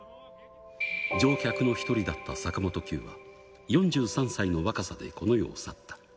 乗客の１人だった坂本九は、４３歳の若さでこの世を去った。